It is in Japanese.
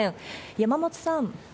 山本さん。